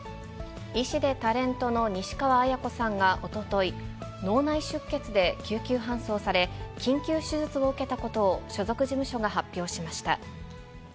医師でタレントの西川史子さんがおととい、脳内出血で救急搬送され、緊急手術を受けたことを所属事務所が発表しました。